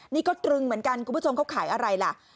นี่ก็ตรึงเหมือนกันคุณผู้ชมเขาขายอะไรล่ะ